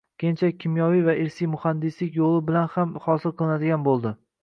Keyinchalik kimyoviy va irsiy muhandislik yo‘li bilan ham hosil qilinadigan bo‘ldi